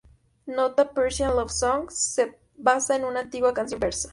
Nota: "Persian Love Song" se basa en una antigua canción persa.